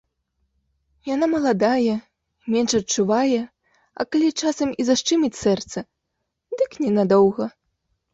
Яна маладая, менш адчувае, а калі часам і зашчыміць сэрца, дык ненадоўга.